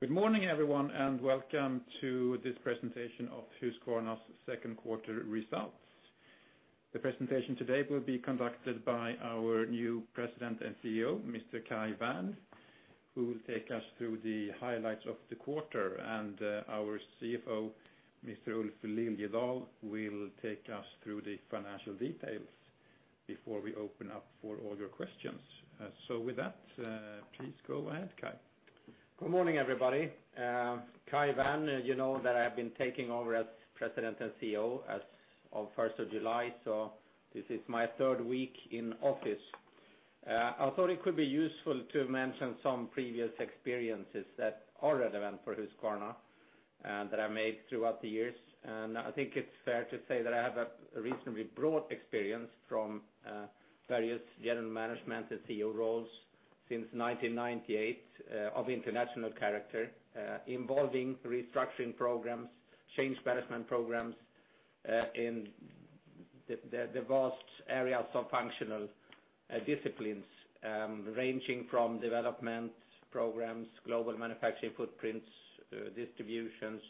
Good morning everyone, and welcome to this presentation of Husqvarna's second quarter results. The presentation today will be conducted by our new President and CEO, Mr. Kai Wärn, who will take us through the highlights of the quarter, and our CFO, Mr. Ulf Liljedahl, will take us through the financial details before we open up for all your questions. With that, please go ahead, Kai. Good morning, everybody. Kai Wärn. You know that I have been taking over as President and CEO as of 1st of July, this is my third week in office. I thought it could be useful to mention some previous experiences that are relevant for Husqvarna that I made throughout the years. I think it's fair to say that I have a reasonably broad experience from various general management and CEO roles since 1998 of international character, involving restructuring programs, change management programs, in the vast areas of functional disciplines, ranging from development programs, global manufacturing footprints, distributions,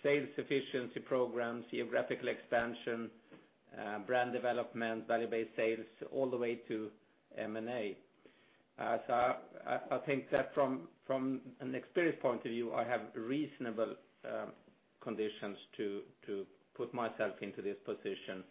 sales efficiency programs, geographical expansion, brand development, value-based sales, all the way to M&A. I think that from an experience point of view, I have reasonable conditions to put myself into this position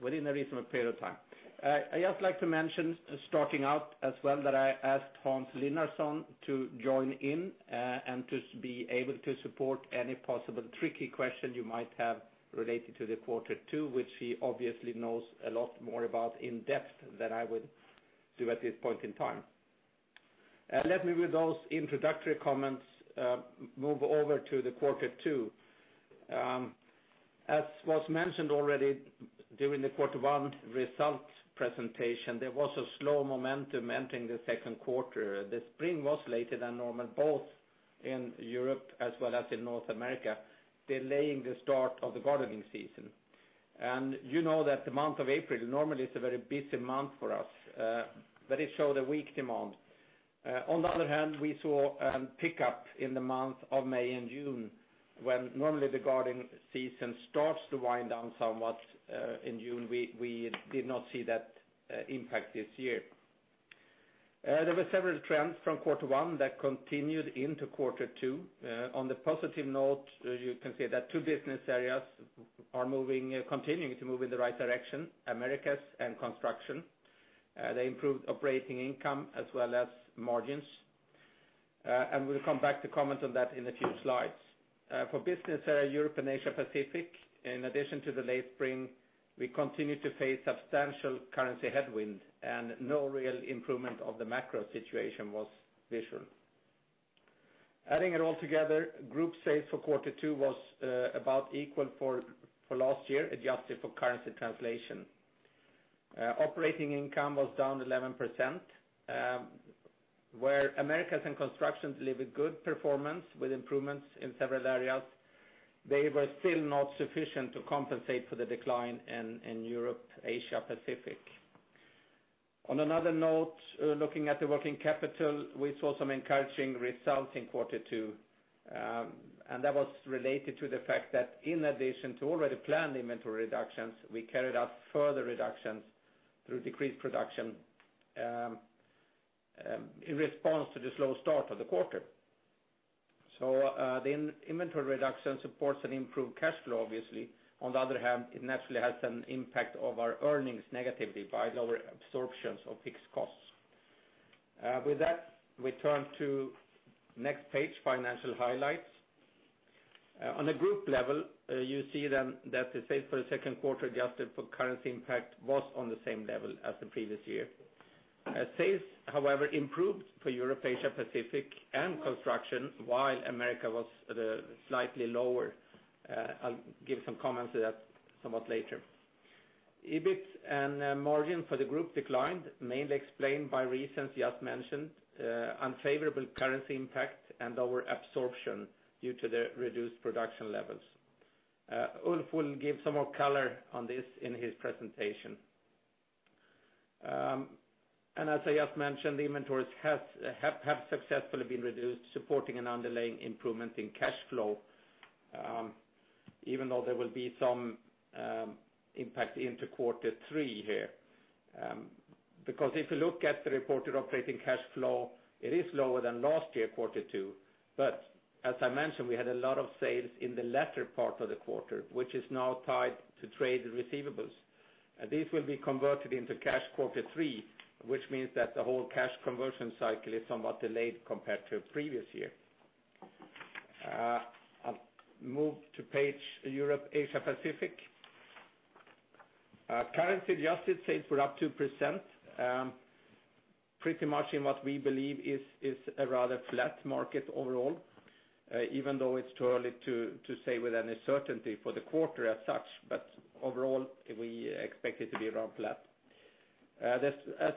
within a reasonable period of time. I just like to mention starting out as well, that I asked Hans Linnarsson to join in, and to be able to support any possible tricky question you might have related to the quarter two, which he obviously knows a lot more about in depth than I would do at this point in time. Let me with those introductory comments, move over to the quarter two. As was mentioned already during the quarter one results presentation, there was a slow momentum entering the second quarter. The spring was later than normal, both in Europe as well as in North America, delaying the start of the gardening season. You know that the month of April normally is a very busy month for us, but it showed a weak demand. On the other hand, we saw a pickup in the month of May and June when normally the garden season starts to wind down somewhat in June. We did not see that impact this year. There were several trends from quarter one that continued into quarter two. On the positive note, you can see that two business areas are continuing to move in the right direction, Americas and Construction. They improved operating income as well as margins. We'll come back to comment on that in a few slides. For business area Europe and Asia/Pacific, in addition to the late spring, we continued to face substantial currency headwind, and no real improvement of the macro situation was visual. Adding it all together, group sales for quarter two was about equal for last year, adjusted for currency translation. Operating income was down 11%, where Americas and Construction delivered good performance with improvements in several areas. They were still not sufficient to compensate for the decline in Europe & Asia/Pacific. On another note, looking at the working capital, we saw some encouraging results in quarter two. That was related to the fact that in addition to already planned inventory reductions, we carried out further reductions through decreased production in response to the slow start of the quarter. The inventory reduction supports an improved cash flow, obviously. On the other hand, it naturally has an impact over earnings negatively by lower absorptions of fixed costs. With that, we turn to next page, financial highlights. On a group level, you see that the sales for the second quarter, adjusted for currency impact, was on the same level as the previous year. Sales, however, improved for Europe & Asia/Pacific and Construction while Americas was slightly lower. I'll give some comments to that somewhat later. EBIT and margin for the group declined, mainly explained by reasons just mentioned, unfavorable currency impact and lower absorption due to the reduced production levels. Ulf will give some more color on this in his presentation. As I just mentioned, the inventories have successfully been reduced, supporting an underlying improvement in cash flow, even though there will be some impact into quarter three here. Because if you look at the reported operating cash flow, it is lower than last year, quarter two, but as I mentioned, we had a lot of sales in the latter part of the quarter, which is now tied to trade receivables. These will be converted into cash quarter three, which means that the whole cash conversion cycle is somewhat delayed compared to previous year. I'll move to page Europe & Asia/Pacific. Currency-adjusted sales were up 2%, pretty much in what we believe is a rather flat market overall, even though it's too early to say with any certainty for the quarter as such, but overall, we expect it to be around flat. As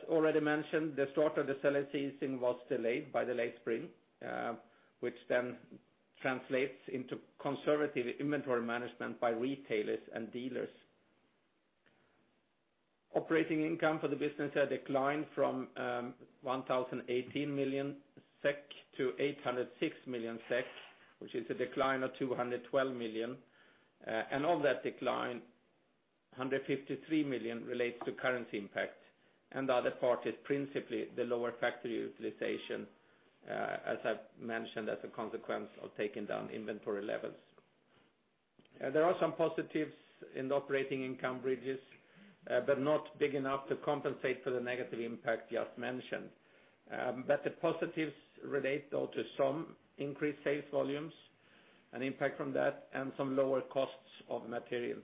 already mentioned, the start of the selling season was delayed by the late spring, which then translates into conservative inventory management by retailers and dealers. Operating income for the business had declined from 1,018 million SEK to 806 million SEK, which is a decline of 212 million. Of that decline, 153 million relates to currency impact, and the other part is principally the lower factory utilization, as I've mentioned, as a consequence of taking down inventory levels. There are some positives in the operating income bridges, not big enough to compensate for the negative impact just mentioned. The positives relate though to some increased sales volumes, an impact from that, and some lower costs of material.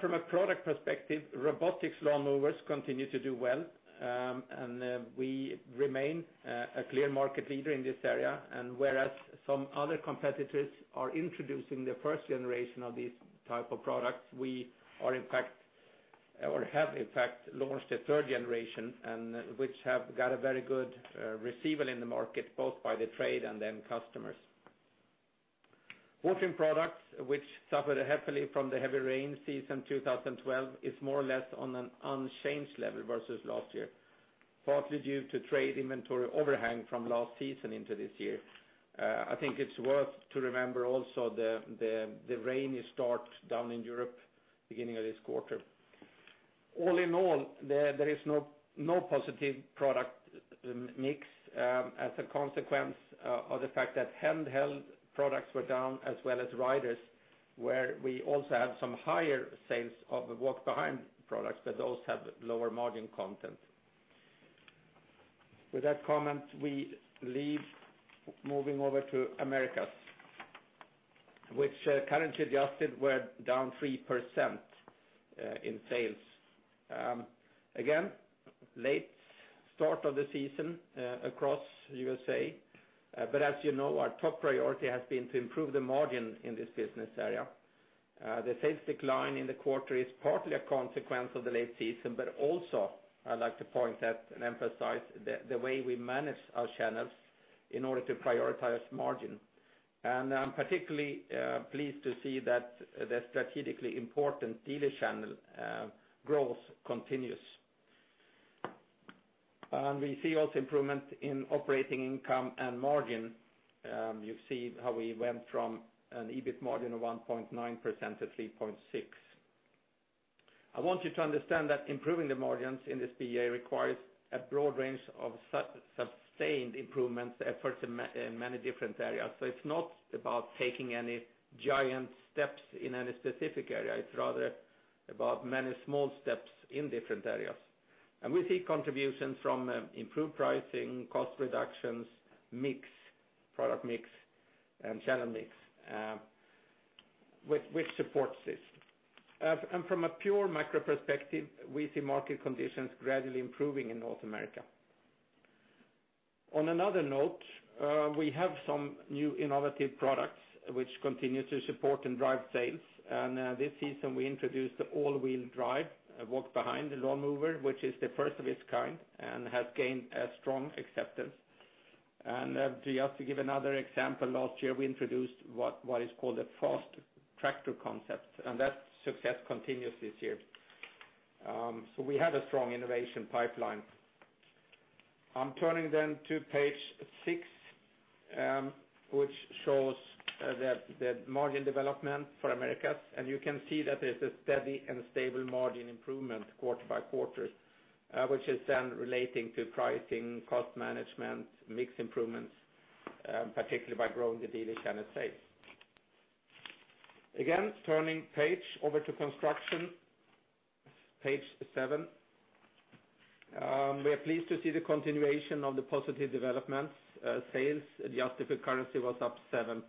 From a product perspective, robotic lawnmowers continue to do well, and we remain a clear market leader in this area. Whereas some other competitors are introducing their first generation of these type of products, we have in fact launched a third generation, which have got a very good receival in the market, both by the trade and end customers. Walking products, which suffered heavily from the heavy rain season 2012, is more or less on an unchanged level versus last year, partly due to trade inventory overhang from last season into this year. I think it's worth to remember also the rainy start down in Europe beginning of this quarter. All in all, there is no positive product mix as a consequence of the fact that handheld products were down as well as riders, where we also have some higher sales of walk-behind products, but those have lower margin content. With that comment, we leave, moving over to Americas, which currency-adjusted were down 3% in sales. Again, late start of the season across U.S.A. As you know, our top priority has been to improve the margin in this business area. The sales decline in the quarter is partly a consequence of the late season, but also I'd like to point at and emphasize the way we manage our channels in order to prioritize margin. I'm particularly pleased to see that the strategically important dealer channel growth continues. We see also improvement in operating income and margin. You see how we went from an EBIT margin of 1.9% to 3.6%. I want you to understand that improving the margins in this BA requires a broad range of sustained improvement efforts in many different areas. It's not about taking any giant steps in any specific area. It's rather about many small steps in different areas. We see contributions from improved pricing, cost reductions, product mix, and channel mix, which supports this. From a pure macro perspective, we see market conditions gradually improving in North America. On another note, we have some new innovative products which continue to support and drive sales. This season we introduced the all-wheel drive walk behind lawnmower, which is the first of its kind and has gained a strong acceptance. Just to give another example, last year we introduced what is called a fast tractor concept, and that success continues this year. We have a strong innovation pipeline. I'm turning to page six, which shows the margin development for Americas. You can see that there's a steady and stable margin improvement quarter by quarter, which is relating to pricing, cost management, mix improvements, particularly by growing the dealer channel sales. Again, turning page over to Husqvarna Construction, page seven. We are pleased to see the continuation of the positive developments. Sales, adjusted currency was up 7%,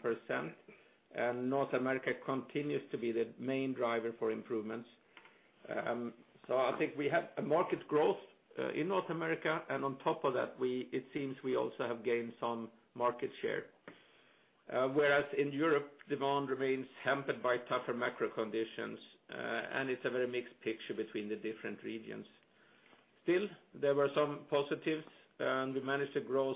North America continues to be the main driver for improvements. I think we have a market growth in North America, on top of that, it seems we also have gained some market share. Whereas in Europe, demand remains hampered by tougher macro conditions. It's a very mixed picture between the different regions. Still, there were some positives, we managed to grow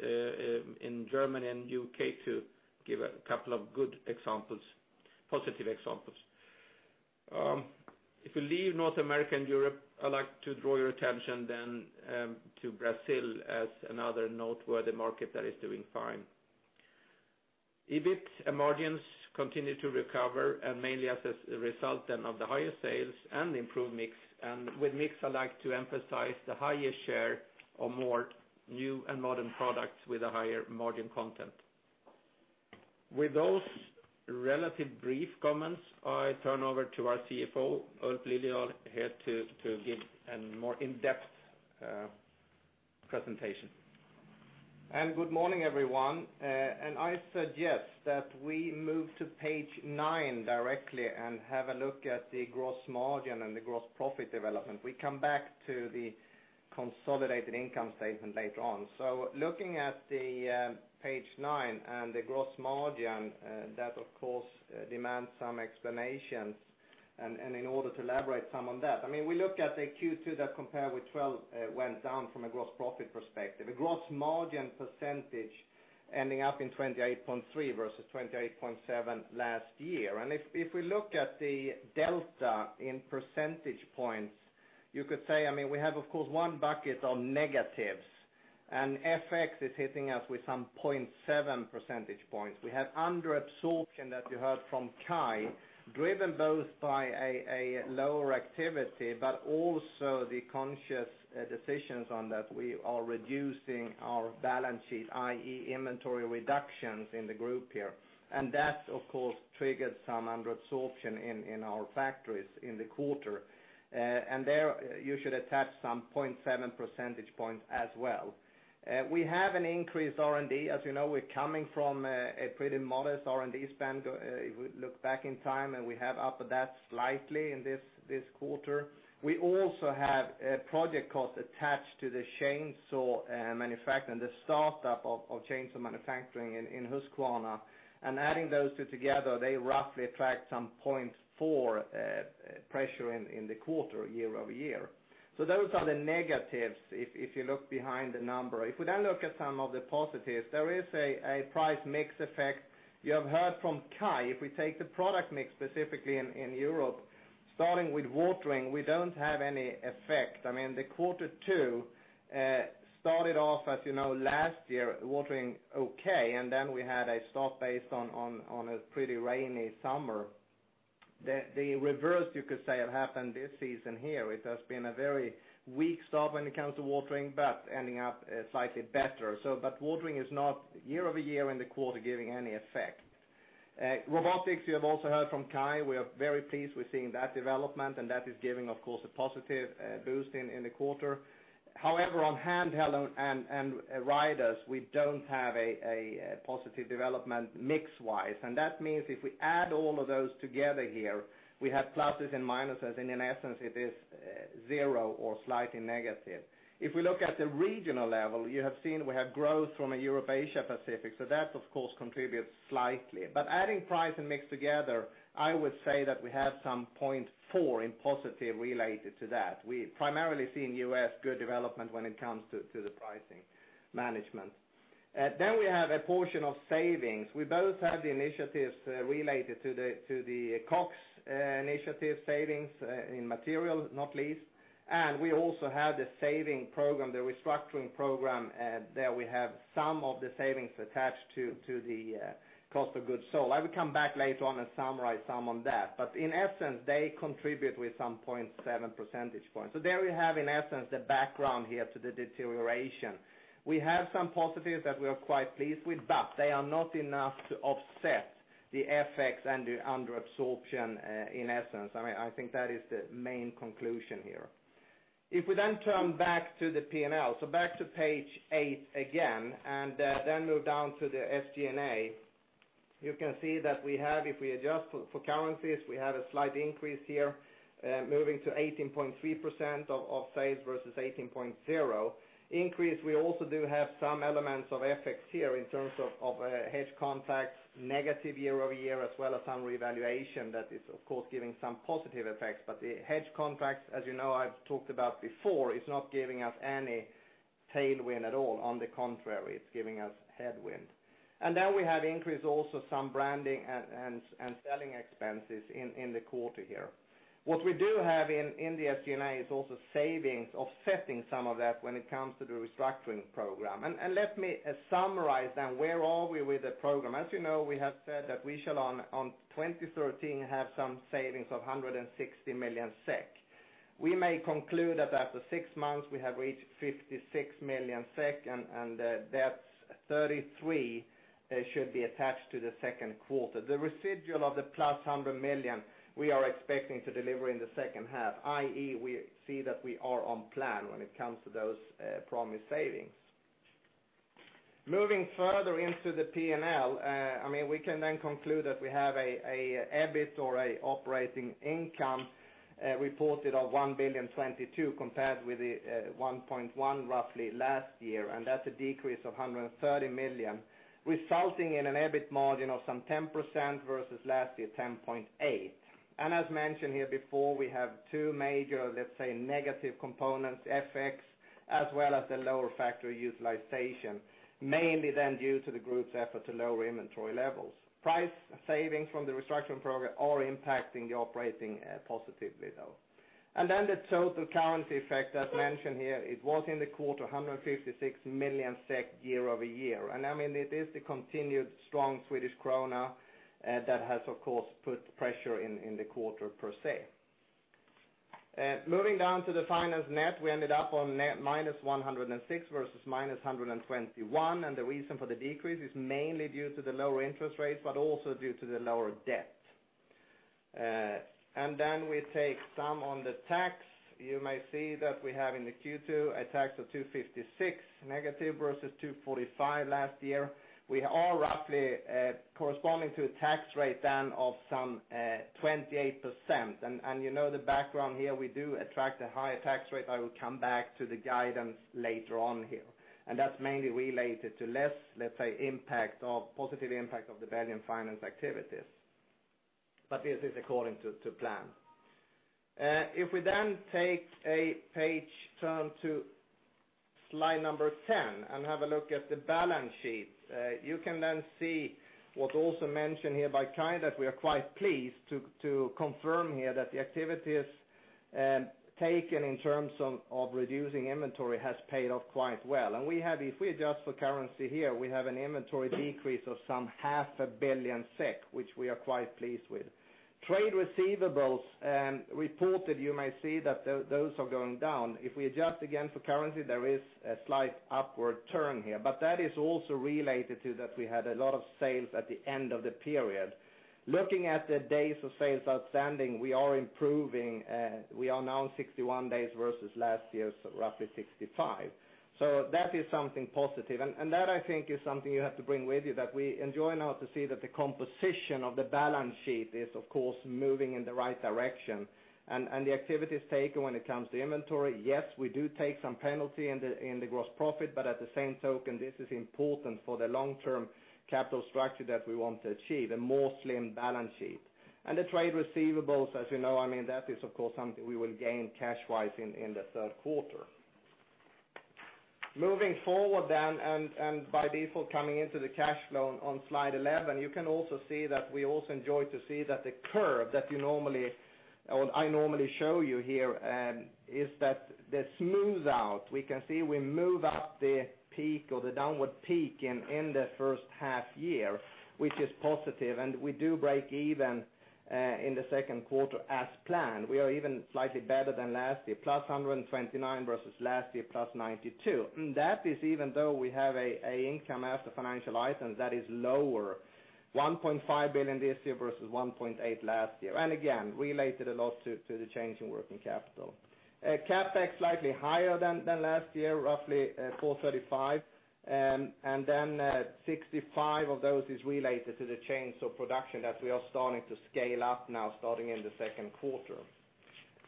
sales in Germany and U.K. to give a couple of good examples, positive examples. If we leave North America and Europe, I'd like to draw your attention to Brazil as another noteworthy market that is doing fine. EBIT margins continue to recover mainly as a result of the higher sales and improved mix. With mix, I'd like to emphasize the higher share of more new and modern products with a higher margin content. With those relative brief comments, I turn over to our CFO, Ulf Liljedahl, here to give a more in-depth presentation. Good morning, everyone. I suggest that we move to page nine directly and have a look at the gross margin and the gross profit development. We come back to the consolidated income statement later on. Looking at the page nine and the gross margin, that of course demands some explanations and in order to elaborate some on that. We look at the Q2 that compare with 2012 went down from a gross profit perspective. A gross margin percentage ending up in 28.3% versus 28.7% last year. If we look at the delta in percentage points, you could say we have, of course, one bucket of negatives, and FX is hitting us with some 0.7 percentage points. We have under-absorption that you heard from Kai, driven both by a lower activity but also the conscious decisions on that we are reducing our balance sheet, i.e., inventory reductions in the group here. That, of course, triggered some under-absorption in our factories in the quarter. There you should attach some 0.7 percentage points as well. We have an increased R&D. As you know, we're coming from a pretty modest R&D spend if we look back in time, and we have upped that slightly in this quarter. We also have project costs attached to the chainsaw manufacturing, the startup of chainsaw manufacturing in Husqvarna. Adding those two together, they roughly attract some 0.4 pressure in the quarter year-over-year. Those are the negatives if you look behind the number. If we look at some of the positives, there is a price mix effect. You have heard from Kai, if we take the product mix specifically in Europe, starting with watering, we don't have any effect. I mean, the quarter two started off, as you know, last year, watering okay, and then we had a stop based on a pretty rainy summer. The reverse, you could say, have happened this season here. It has been a very weak start when it comes to watering, but ending up slightly better. Watering is not year-over-year in the quarter giving any effect. Robotics, you have also heard from Kai, we are very pleased with seeing that development, that is giving, of course, a positive boost in the quarter. On handheld and riders, we don't have a positive development mix-wise, that means if we add all of those together here, we have pluses and minuses, in essence, it is zero or slightly negative. If we look at the regional level, you have seen we have growth from a Europe & Asia/Pacific, that, of course, contributes slightly. Adding price and mix together, I would say that we have some 0.4 in positive related to that. We primarily see in U.S. good development when it comes to the pricing management. We have a portion of savings. We both have the initiatives related to the COGS initiative savings in material, not least, and we also have the saving program, the restructuring program, there we have some of the savings attached to the cost of goods sold. I will come back later on and summarize some on that. In essence, they contribute with some 0.7 percentage points. There we have, in essence, the background here to the deterioration. We have some positives that we are quite pleased with, but they are not enough to offset the FX and the under-absorption, in essence. I think that is the main conclusion here. If we then turn back to the P&L, back to page eight again, and then move down to the SG&A, you can see that we have, if we adjust for currencies, we have a slight increase here, moving to 18.3% of sales versus 18.0%. We also do have some elements of FX here in terms of hedge contracts, negative year-over-year, as well as some revaluation that is, of course, giving some positive effects. The hedge contracts, as you know I've talked about before, is not giving us any tailwind at all. On the contrary, it's giving us headwind. We have increased also some branding and selling expenses in the quarter here. What we do have in the SG&A is also savings offsetting some of that when it comes to the restructuring program. Let me summarize then, where are we with the program? As you know, we have said that we shall on 2013 have some savings of 160 million SEK. We may conclude that after six months, we have reached 56 million SEK, and that's 33 should be attached to the second quarter. The residual of the 100 million, we are expecting to deliver in the second half, i.e., we see that we are on plan when it comes to those promised savings. Moving further into the P&L, we can then conclude that we have an EBIT or an operating income reported of 1,022 million compared with 1.1 billion roughly last year, and that's a decrease of 130 million, resulting in an EBIT margin of some 10% versus last year, 10.8%. As mentioned here before, we have two major, let's say, negative components, FX, as well as the lower factory utilization, mainly then due to the group's effort to lower inventory levels. Price savings from the restructuring program are impacting the operating positively, though. The total currency effect, as mentioned here, it was in the quarter 156 million SEK year-over-year. It is the continued strong Swedish krona that has, of course, put pressure in the quarter per se. Moving down to the finance net, we ended up on minus 106 versus minus 121, the reason for the decrease is mainly due to the lower interest rates, but also due to the lower debt. We take some on the tax. You may see that we have in the Q2 a tax of 256 negative versus 245 last year. We are roughly corresponding to a tax rate then of some 28%. You know the background here, we do attract a higher tax rate. I will come back to the guidance later on here. That's mainly related to less, let's say, positive impact of the Belgian finance activities. This is according to plan. If we then take a page turn to Slide 10, and have a look at the balance sheet. You can then see what's also mentioned here by Kai, that we are quite pleased to confirm here that the activities taken in terms of reducing inventory has paid off quite well. If we adjust for currency here, we have an inventory decrease of some half a billion SEK, which we are quite pleased with. Trade receivables reported, you may see that those are going down. If we adjust again for currency, there is a slight upward turn here. That is also related to that we had a lot of sales at the end of the period. Looking at the days of sales outstanding, we are improving. We are now 61 days versus last year's roughly 65. That is something positive, and that I think is something you have to bring with you, that we enjoy now to see that the composition of the balance sheet is, of course, moving in the right direction. The activities taken when it comes to inventory, yes, we do take some penalty in the gross profit, at the same token, this is important for the long-term capital structure that we want to achieve, a more slim balance sheet. The trade receivables, as you know, that is, of course, something we will gain cash-wise in the third quarter. Moving forward then, by default, coming into the cash flow on slide 11, you can also see that we also enjoy to see that the curve that I normally show you here, is that the smooth out, we can see we move up the peak or the downward peak in the first half year, which is positive, and we do break even in the second quarter as planned. We are even slightly better than last year, plus 129 versus last year, plus 92. That is even though we have a income as the financial item that is lower, 1.5 billion this year versus 1.8 last year. Again, related a lot to the change in working capital. CapEx slightly higher than last year, roughly 435, and then 65 of those is related to the chainsaw production that we are starting to scale up now, starting in the second quarter.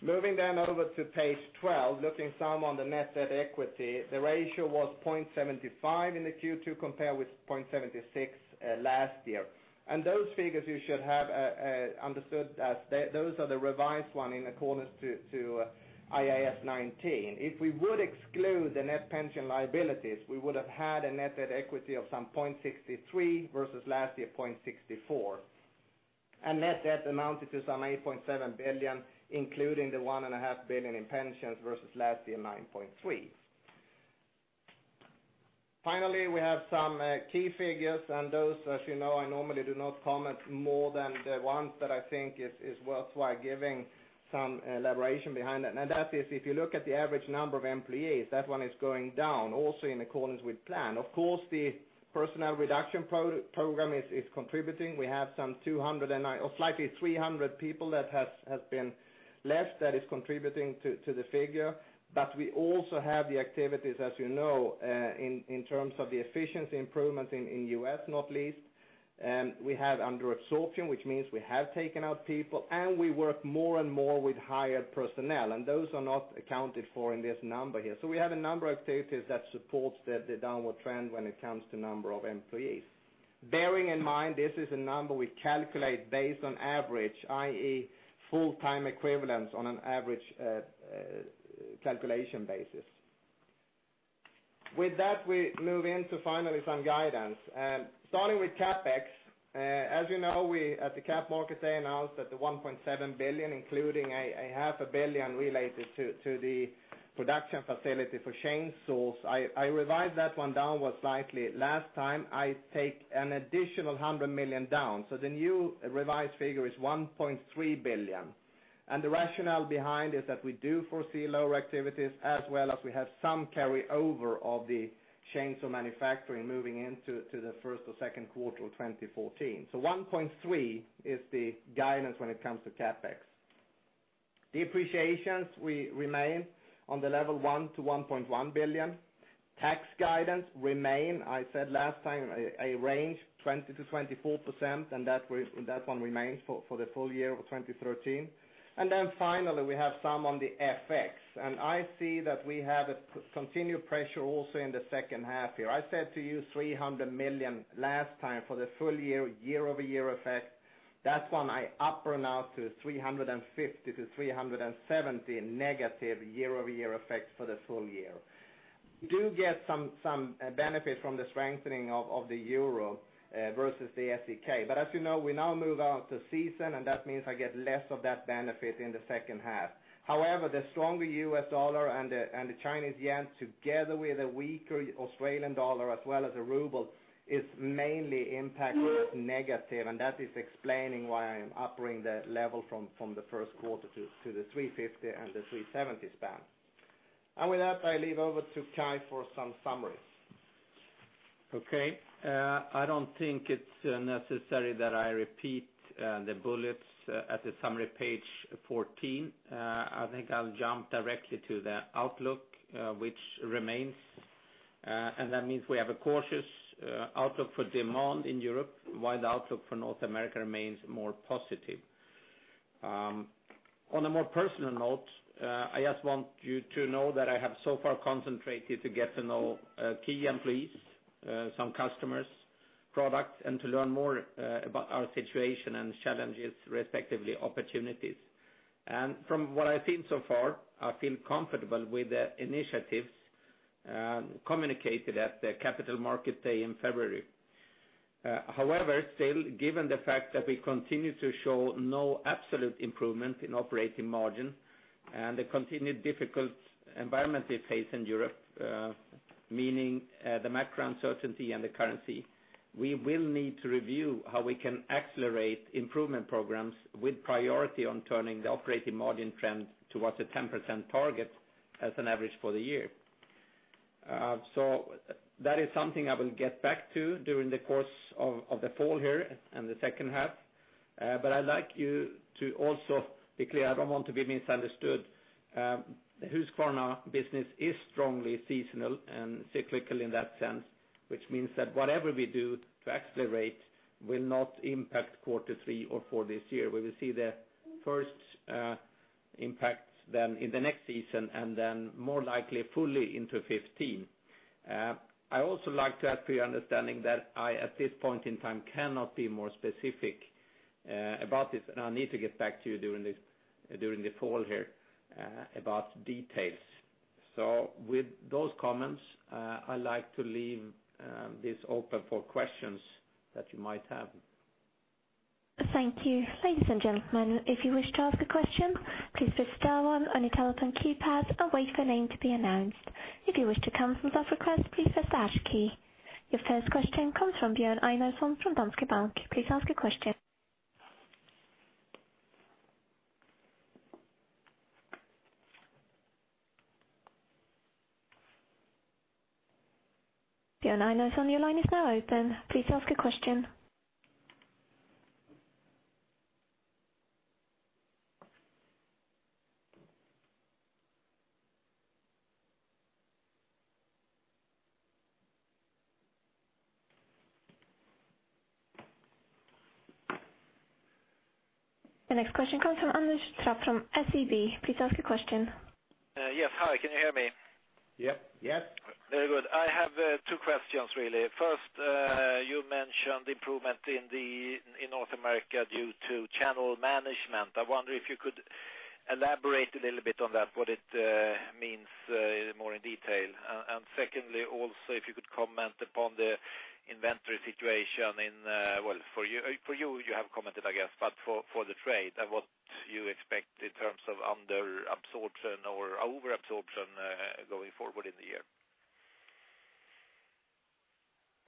Moving then over to page 12, looking some on the net debt equity, the ratio was 0.75 in the Q2 compared with 0.76 last year. Those figures you should have understood as those are the revised one in accordance to IAS 19. If we would exclude the net pension liabilities, we would have had a net debt equity of some 0.63 versus last year, 0.64. Net debt amounted to some 8.7 billion, including the 1.5 billion in pensions versus last year, 9.3. Finally, we have some key figures, and those, as you know, I normally do not comment more than the ones that I think is worthwhile giving some elaboration behind that. That is if you look at the average number of employees, that one is going down, also in accordance with plan. Of course, the personnel reduction program is contributing. We have some 209 or slightly 300 people that has been left that is contributing to the figure. We also have the activities, as you know, in terms of the efficiency improvements in U.S., not least. We have under absorption, which means we have taken out people, and we work more and more with hired personnel, and those are not accounted for in this number here. We have a number of activities that supports the downward trend when it comes to number of employees. Bearing in mind, this is a number we calculate based on average, i.e., full-time equivalents on an average calculation basis. With that, we move into finally some guidance. Starting with CapEx, as you know, we at the Capital Markets Day announced that the 1.7 billion, including a half a billion SEK related to the production facility for chainsaws. I revised that one downward slightly last time. I take an additional 100 million down. The new revised figure is 1.3 billion. The rationale behind is that we do foresee lower activities as well as we have some carryover of the chainsaw manufacturing moving into the first or second quarter of 2014. 1.3 billion is the guidance when it comes to CapEx. Depreciations, we remain on the level 1 billion-1.1 billion. Tax guidance remain, I said last time, a range 20%-24%, and that one remains for the full year of 2013. Finally, we have some on the FX. I see that we have a continued pressure also in the second half here. I said to you 300 million last time for the full year-over-year effect. That one I upper now to 350-370 negative year-over-year effect for the full year. We do get some benefit from the strengthening of the EUR versus the SEK. As you know, we now move out to season, and that means I get less of that benefit in the second half. However, the stronger U.S. dollar and the Chinese yuan together with a weaker AUD as well as the RUB is mainly impacting us negative, and that is explaining why I'm upping the level from the first quarter to the 350-370 span. With that, I leave over to Kai for some summaries. Okay. I don't think it's necessary that I repeat the bullets at the summary page 14. I think I'll jump directly to the outlook, which remains. That means we have a cautious outlook for demand in Europe, while the outlook for North America remains more positive. On a more personal note, I just want you to know that I have so far concentrated to get to know key employees, some customers, products, and to learn more about our situation and challenges, respectively, opportunities. From what I've seen so far, I feel comfortable with the initiatives communicated at the Capital Markets Day in February. Still, given the fact that we continue to show no absolute improvement in operating margin and the continued difficult environment we face in Europe, meaning the macro uncertainty and the currency, we will need to review how we can accelerate improvement programs with priority on turning the operating margin trend towards a 10% target as an average for the year. That is something I will get back to during the course of the fall here and the second half. I'd like you to also be clear, I don't want to be misunderstood. The Husqvarna business is strongly seasonal and cyclical in that sense, which means that whatever we do to accelerate will not impact quarter three or four this year. We will see the first impacts then in the next season, and then more likely fully into 2015. I also like to have the understanding that I, at this point in time, cannot be more specific about this, and I need to get back to you during the fall here about details. With those comments, I'd like to leave this open for questions that you might have. Thank you. Ladies and gentlemen, if you wish to ask a question, please press star one on your telephone keypad and wait for name to be announced. If you wish to cancel that request, please press the hash key. Your first question comes from Björn Enarson from Danske Bank. Please ask your question. Björn Enarson, your line is now open. Please ask a question. The next question comes from Anders Trapp from SEB. Please ask a question. Yes. Hi, can you hear me? Yep. Yep. Very good. I have two questions really. First, you mentioned improvement in North America due to channel management. I wonder if you could elaborate a little bit on that, what it means more in detail. Secondly, also, if you could comment upon the inventory situation well, for you have commented, I guess, but for the trade and what you expect in terms of under absorption or over absorption going forward in the year.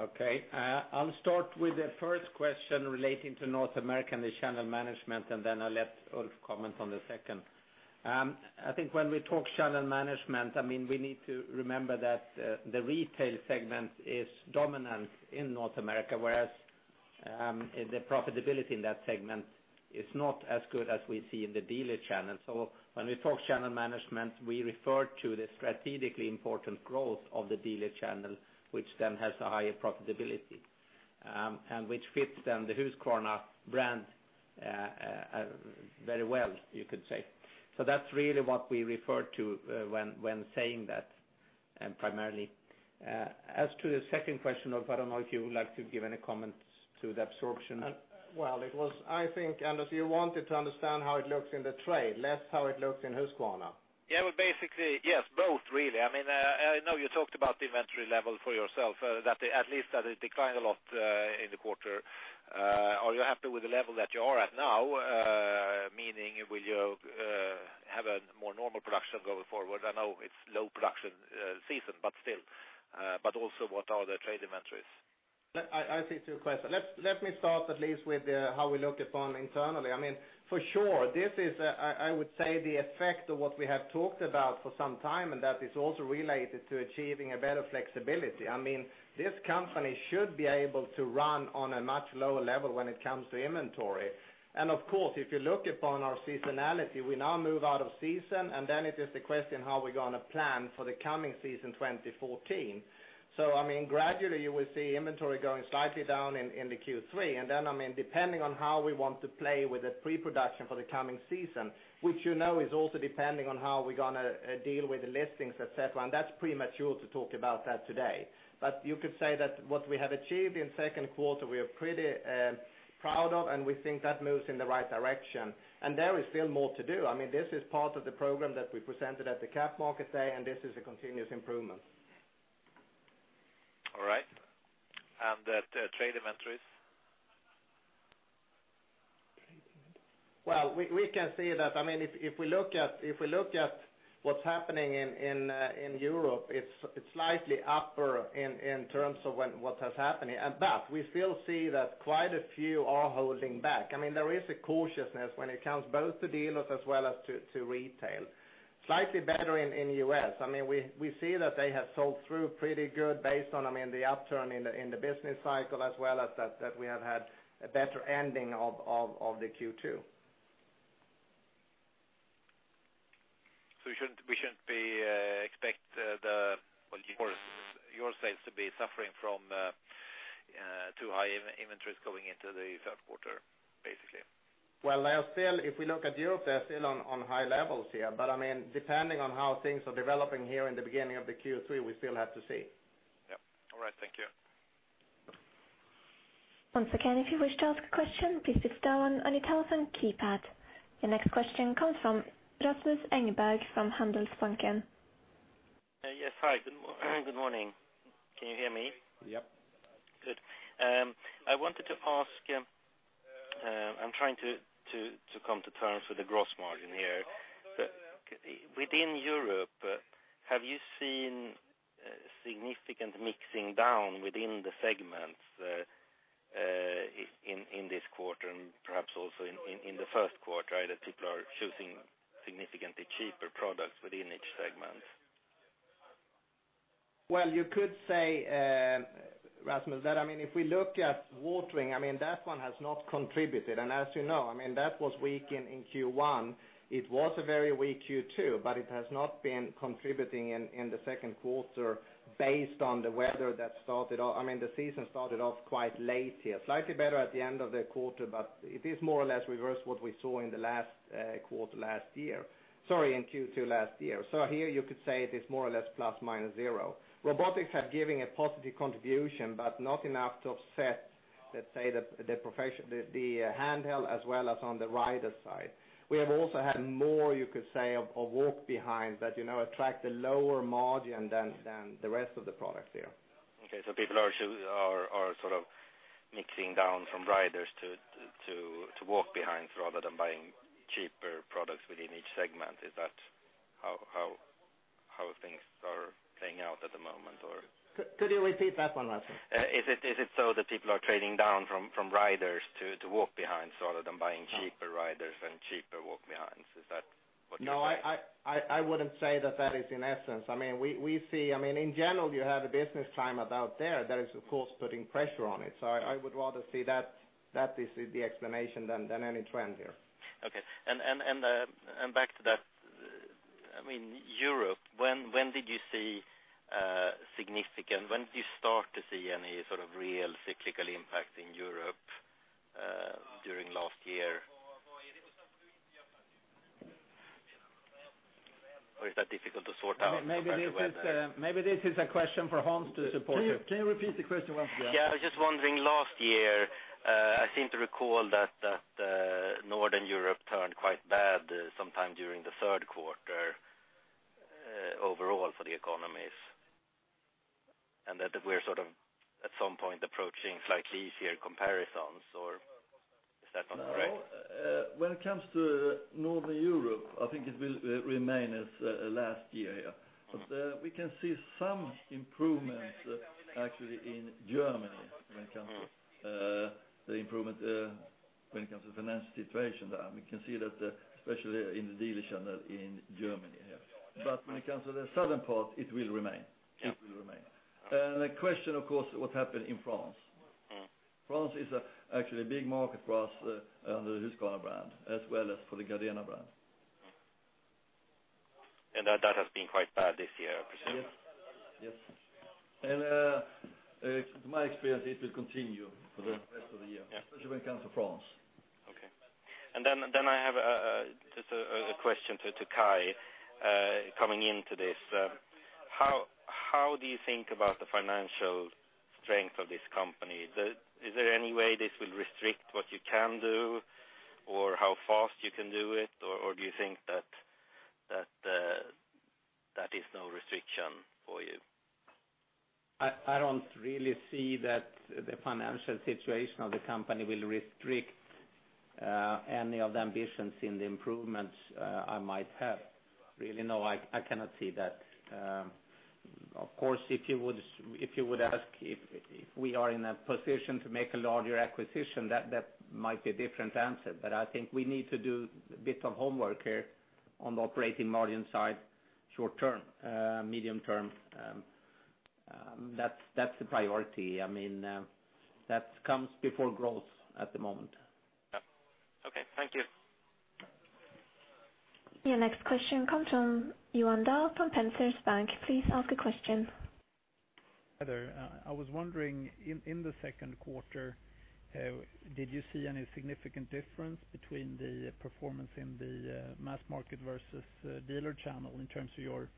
Okay. I'll start with the first question relating to North America and the channel management, and then I'll let Ulf comment on the second. I think when we talk channel management, we need to remember that the retail segment is dominant in North America, whereas the profitability in that segment is not as good as we see in the dealer channel. When we talk channel management, we refer to the strategically important growth of the dealer channel, which then has a higher profitability, and which fits then the Husqvarna brand very well, you could say. That's really what we refer to when saying that primarily. As to the second question, Ulf, I don't know if you would like to give any comments to the absorption. Well, it was, I think, Anders, you wanted to understand how it looks in the trade, less how it looks in Husqvarna. Yeah. Well, basically, yes, both really. I know you talked about the inventory level for yourself, that at least that it declined a lot in the quarter. Are you happy with the level that you are at now? Meaning will you have a more normal production going forward? I know it's low production season, but still. Also, what are the trade inventories? I see two questions. Let me start at least with how we look upon internally. For sure, this is, I would say, the effect of what we have talked about for some time, and that is also related to achieving a better flexibility. This company should be able to run on a much lower level when it comes to inventory. Of course, if you look upon our seasonality, we now move out of season, then it is the question how we're going to plan for the coming season 2014. Gradually you will see inventory going slightly down in the Q3. Then, depending on how we want to play with the pre-production for the coming season, which you know is also depending on how we're going to deal with the listings, et cetera. That's premature to talk about that today. You could say that what we have achieved in second quarter, we are pretty proud of, and we think that moves in the right direction. There is still more to do. This is part of the program that we presented at the Capital Markets Day, and this is a continuous improvement. All right. The trade inventories? We can see that if we look at what's happening in Europe, it's slightly upper in terms of what has happened. We still see that quite a few are holding back. There is a cautiousness when it comes both to dealers as well as to retail. Slightly better in U.S. We see that they have sold through pretty good based on the upturn in the business cycle as well as that we have had a better ending of the Q2. We shouldn't expect your sales to be suffering from too high inventories going into the third quarter, basically? If we look at Europe, they are still on high levels here. Depending on how things are developing here in the beginning of the Q3, we still have to see. Yep. All right. Thank you. Once again, if you wish to ask a question, please press star on your telephone keypad. Your next question comes from Rasmus Engberg from Handelsbanken. Yes. Hi, good morning. Can you hear me? Yep. Good. I wanted to ask, I'm trying to come to terms with the gross margin here. Within Europe, have you seen significant mixing down within the segments, in this quarter and perhaps also in the first quarter, that people are choosing significantly cheaper products within each segment? Well, you could say, Rasmus, that if we look at watering, that one has not contributed. As you know, that was weak in Q1. It was a very weak Q2, it has not been contributing in the second quarter based on the weather that started off. The season started off quite late here. Slightly better at the end of the quarter, but it is more or less reverse what we saw in the last quarter last year, sorry, in Q2 last year. Here you could say it is more or less plus minus zero. Robotics have given a positive contribution, not enough to offset, let's say, the handheld as well as on the rider side. We have also had more, you could say, of walk behind that attract the lower margin than the rest of the product here. Okay. People are sort of mixing down from riders to walk behinds rather than buying cheaper products within each segment. Is that how things are playing out at the moment or? Could you repeat that one last time? Is it so that people are trading down from riders to walk behinds rather than buying cheaper riders and cheaper walk behinds? Is that what you're saying? No, I wouldn't say that is in essence. In general, you have a business climate out there that is of course putting pressure on it. I would rather see that is the explanation than any trend here. Okay. Back to that. Europe, when did you start to see any sort of real cyclical impact in Europe, during last year? Is that difficult to sort out compared to weather? Maybe this is a question for Hans to support here. Can you repeat the question once again? Yeah. I was just wondering, last year, I seem to recall that Northern Europe turned quite bad sometime during the third quarter, overall for the economies, and that we're sort of at some point approaching slightly easier comparisons or is that not correct? When it comes to Northern Europe, I think it will remain as last year. We can see some improvements actually in Germany when it comes to the improvement, when it comes to the financial situation there. We can see that especially in the dealer channel in Germany. When it comes to the southern part, it will remain. Yeah. It will remain. The question, of course, what happened in France? France is actually a big market for us under the Husqvarna brand, as well as for the Gardena brand. That has been quite bad this year, I presume. Yes. To my experience, it will continue for the rest of the year, especially when it comes to France. Okay. I have just a question to Kai, coming into this. How do you think about the financial strength of this company? Is there any way this will restrict what you can do or how fast you can do it, or do you think that there is no restriction for you? I don't really see that the financial situation of the company will restrict any of the ambitions in the improvements I might have. Really, no, I cannot see that. Of course, if you would ask if we are in a position to make a larger acquisition, that might be a different answer. I think we need to do a bit of homework here on the operating margin side, short-term, medium-term. That's the priority. That comes before growth at the moment. Okay. Thank you. Your next question comes from Johan Dahl from Penser Bank. Please ask a question. Hi there. I was wondering, in the second quarter, did you see any significant difference between the performance in the mass market versus dealer channel in terms of your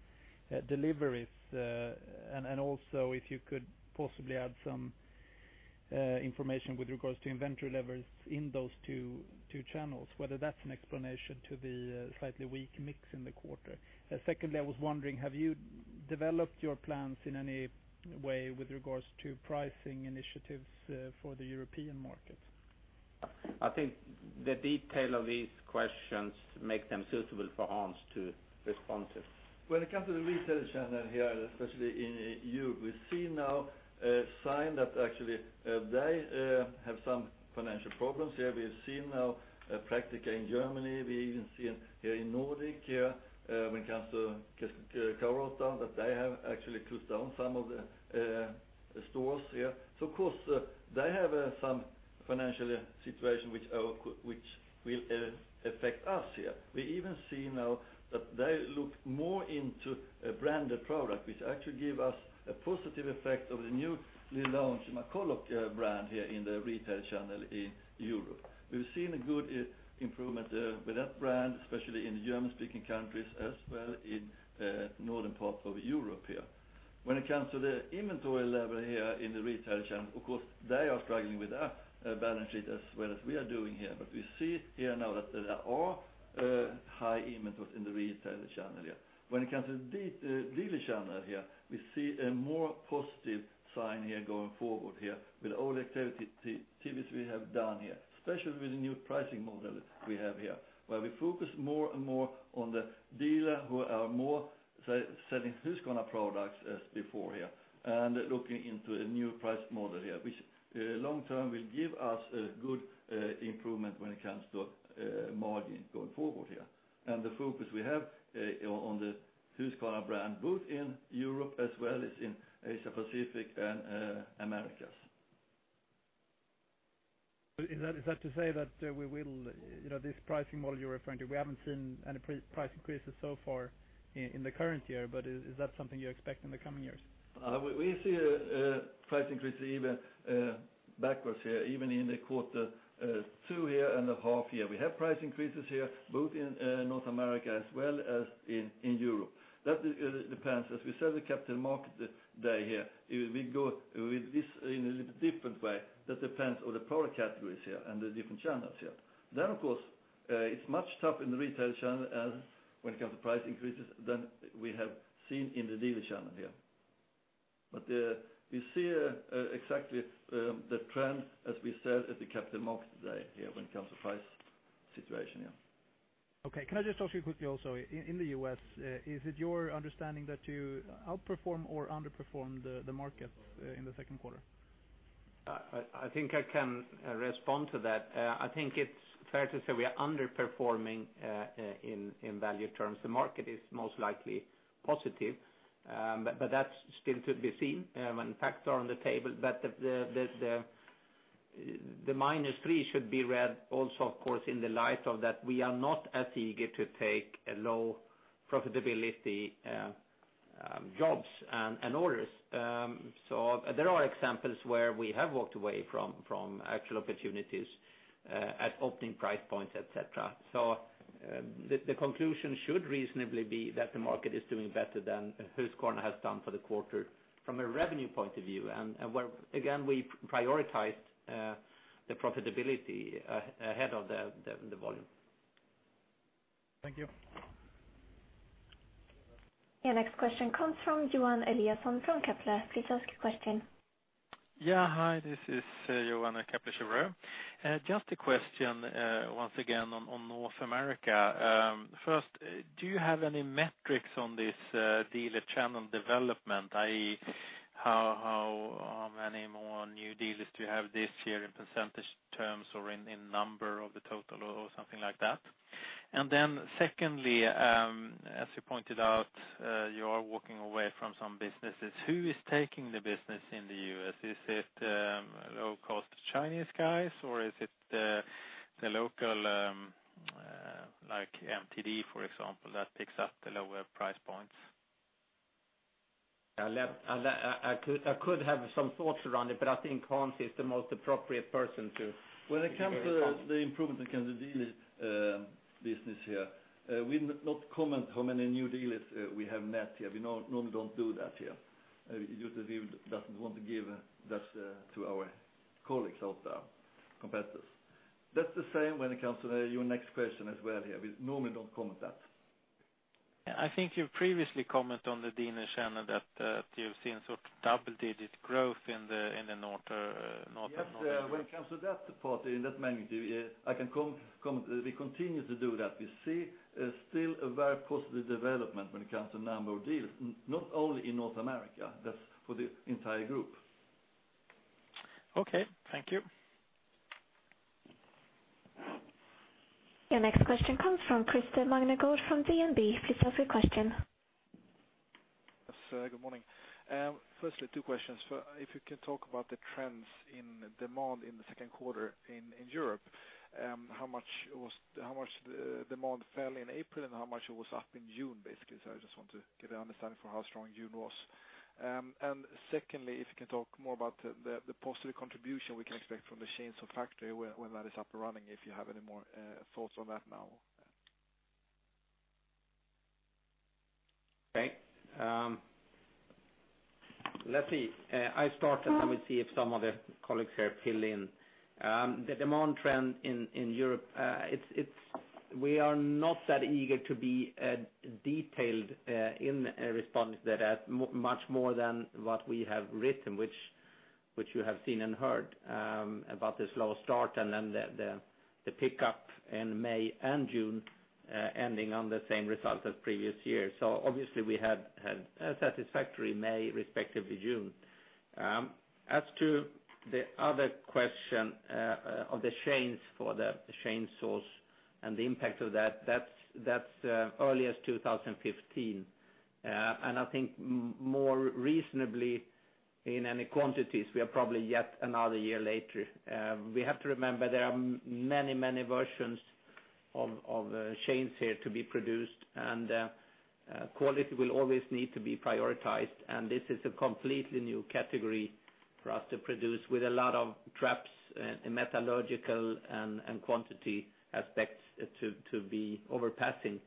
deliveries? Also, if you could possibly add some information with regards to inventory levels in those two channels, whether that's an explanation to the slightly weak mix in the quarter. Secondly, I was wondering, have you developed your plans in any way with regards to pricing initiatives for the European market? I think the detail of these questions make them suitable for Hans to respond to. When it comes to the retail channel here, especially in EU, we see now a sign that actually they have some financial problems here. We have seen now Praktiker in Germany. We even see it here in Nordic when it comes to K-Rauta, that they have actually closed down some of the stores here. Of course, they have some financial situation which will affect us here. We even see now that they look more into a branded product, which actually give us a positive effect of the newly launched McCulloch brand here in the retail channel in Europe. We've seen a good improvement with that brand, especially in the German-speaking countries, as well in the northern part of Europe here. When it comes to the inventory level here in the retail channel, of course, they are struggling with their balance sheet as well as we are doing here. We see here now that there are high inventories in the retail channel here. When it comes to the dealer channel here, we see a more positive sign here going forward here with all activities we have done here, especially with the new pricing model we have here, where we focus more and more on the dealer who are more selling Husqvarna products as before here, and looking into a new price model here. Which long-term will give us a good improvement when it comes to margin going forward here. The focus we have on the Husqvarna brand, both in Europe as well as in Asia-Pacific and Americas. Is that to say that this pricing model you're referring to, we haven't seen any price increases so far in the current year, but is that something you expect in the coming years? We see a price increase even backwards here, even in the quarter two here and the half year. We have price increases here, both in North America as well as in Europe. That depends. As we said at the Capital Markets Day here, we go with this in a little bit different way that depends on the product categories here and the different channels here. Of course, it's much tough in the retail channel when it comes to price increases than we have seen in the dealer channel here. We see exactly the trend as we said at the Capital Markets Day here when it comes to price situation here. Okay. Can I just ask you quickly also, in the U.S., is it your understanding that you outperform or underperform the market in the second quarter? I think I can respond to that. I think it's fair to say we are underperforming in value terms. The market is most likely positive. That's still to be seen when facts are on the table. The minus three should be read also, of course, in the light of that we are not as eager to take low profitability jobs and orders. There are examples where we have walked away from actual opportunities at opening price points, et cetera. The conclusion should reasonably be that the market is doing better than Husqvarna has done for the quarter from a revenue point of view, and where again, we prioritized the profitability ahead of the volume. Thank you. Your next question comes from Johan Eliason from Kepler. Please ask your question. Hi, this is Johan at Kepler Cheuvreux. Just a question once again on North America. First, do you have any metrics on this dealer channel development? I.e., how many more new dealers do you have this year in percentage terms or in number of the total or something like that? Secondly, as you pointed out, you are walking away from some businesses. Who is taking the business in the U.S.? Is it low-cost Chinese guys, or is it the local, like MTD, for example, that picks up the lower price points? I could have some thoughts around it, but I think Hans is the most appropriate person to. When it comes to the improvement in terms of dealer business here, we'll not comment how many new dealers we have net here. We normally don't do that here. Husqvarna doesn't want to give that to our colleagues out there, competitors. That's the same when it comes to your next question as well here. We normally don't comment that. I think you previously comment on the dealer channel that you've seen sort of double-digit growth in the north- Yes. When it comes to that part in that magnitude, we continue to do that. We see still a very positive development when it comes to number of deals, not only in North America, that's for the entire group. Okay. Thank you. Your next question comes from Krister Magnushagen from DNB. Please ask your question. Yes, good morning. Firstly, two questions. If you can talk about the trends in demand in the second quarter in Europe, how much demand fell in April and how much it was up in June, basically? I just want to get an understanding for how strong June was. Secondly, if you can talk more about the positive contribution we can expect from the chainsaw factory when that is up and running, if you have any more thoughts on that now. Okay. Let's see. I start, we see if some other colleagues here fill in. The demand trend in Europe, we are not that eager to be detailed in responding to that at much more than what we have written, which you have seen and heard about this slow start and then the pickup in May and June, ending on the same result as previous year. Obviously we had a satisfactory May, respectively June. As to the other question of the chains for the chainsaws and the impact of that's early as 2015. I think more reasonably in any quantities, we are probably yet another year later. We have to remember there are many versions of chains here to be produced, quality will always need to be prioritized, this is a completely new category for us to produce with a lot of traps, metallurgical, and quantity aspects to be overpassing.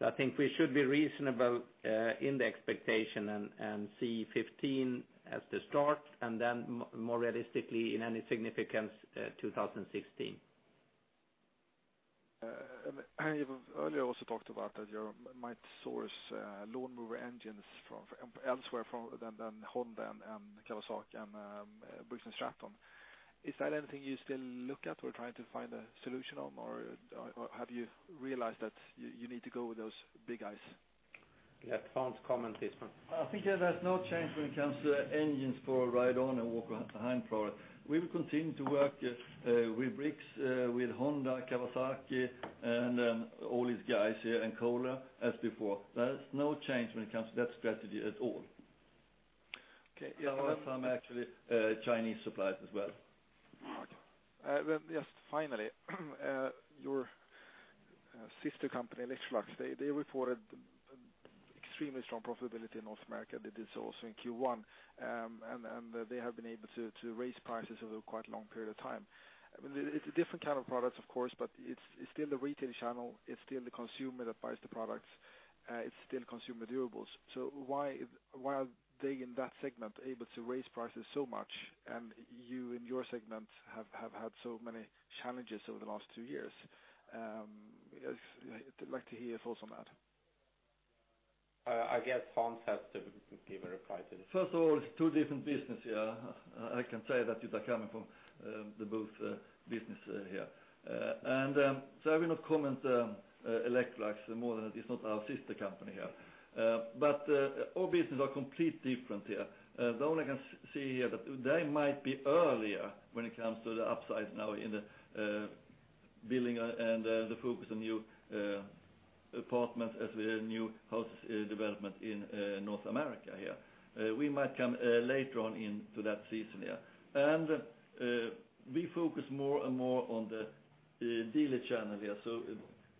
I think we should be reasonable in the expectation and see 2015 as the start, and then more realistically, in any significance, 2016. You earlier also talked about that you might source lawnmower engines from elsewhere than Honda and Kawasaki and Briggs & Stratton. Is that anything you still look at or trying to find a solution on, or have you realized that you need to go with those big guys? Let Hans comment this one. I think there's no change when it comes to engines for ride-on and walk-behind product. We will continue to work with Briggs, with Honda, Kawasaki, and all these guys here, and Kohler, as before. There is no change when it comes to that strategy at all. Okay. Yeah. Some actually Chinese suppliers as well. Okay. Well, yes. Finally, your sister company, Electrolux, they reported extremely strong profitability in North America. They did so also in Q1, and they have been able to raise prices over a quite long period of time. It's a different kind of product, of course, but it's still the retail channel. It's still the consumer that buys the products. It's still consumer durables. Why are they, in that segment, able to raise prices so much, and you, in your segment, have had so many challenges over the last two years? I'd like to hear thoughts on that. I guess Hans has to give a reply to this. First of all, it's two different businesses here. I can say that, coming from both businesses here. I will not comment Electrolux more than it is not our sister company here. Our businesses are completely different here. The only thing I can see here, that they might be earlier when it comes to the upside now in the building and the focus on new apartments as new house development in North America here. We might come later on into that season here. We focus more and more on the dealer channel here.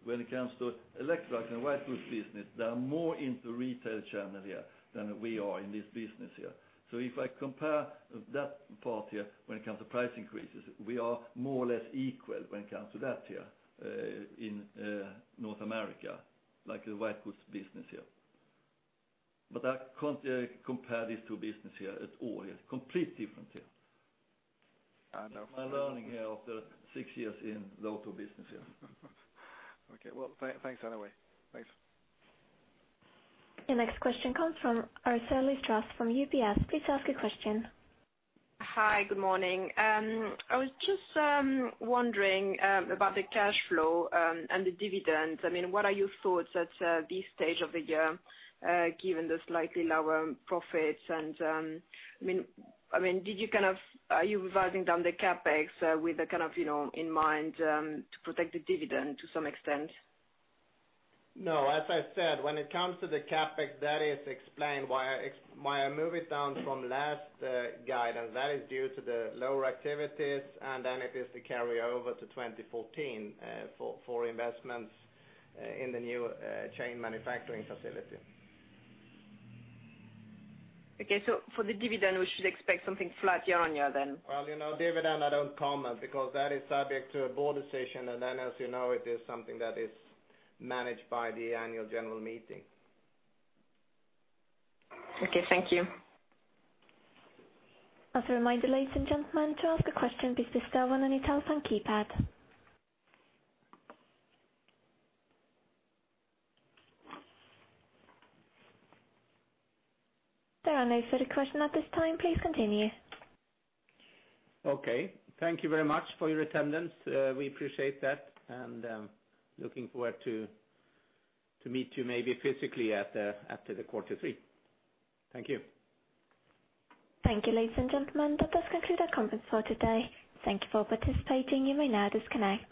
When it comes to Electrolux and White goods business, they are more into retail channel here than we are in this business here. If I compare that part here, when it comes to price increases, we are more or less equal when it comes to that here in North America, like the White goods business here. I can't compare these two businesses here at all. Completely different here. That's my learning here after six years in the outdoor business here. Okay. Well, thanks anyway. Thanks. The next question comes from Aracelys Trab from UBS. Please ask your question. Hi. Good morning. I was just wondering about the cash flow and the dividends. What are your thoughts at this stage of the year, given the slightly lower profits? Are you revising down the CapEx with in mind to protect the dividend to some extent? No. As I said, when it comes to the CapEx, that is explained why I move it down from last guidance. That is due to the lower activities. It is the carryover to 2014, for investments in the new chain manufacturing facility. Okay. For the dividend, we should expect something flat year on year then? Dividend, I don't comment because that is subject to a board decision, as you know, it is something that is managed by the annual general meeting. Okay. Thank you. As a reminder, ladies and gentlemen, to ask a question, please press star 1 on your telephone keypad. There are no further question at this time. Please continue. Okay. Thank you very much for your attendance. We appreciate that, and looking forward to meet you maybe physically after the quarter three. Thank you. Thank you, ladies and gentlemen. That does conclude our conference for today. Thank you for participating. You may now disconnect.